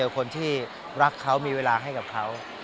คนที่รักเขามีเวลาให้กับเขา